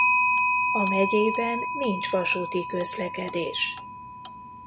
A megyében nincs vasúti közlekedés.